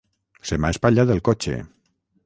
Se m'ha espatllat el cotxe.